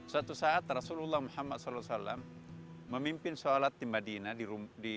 suatu saat rasulullah muhammad saw memimpin sholat di madinah